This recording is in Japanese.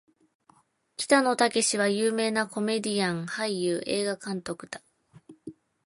北野武は有名なコメディアン・俳優・映画監督